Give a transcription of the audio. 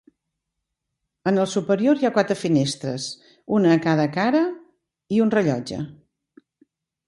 En el superior hi ha quatre finestres, una a cada cara i un rellotge.